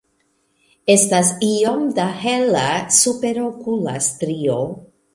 Estas iom da hela superokula strio.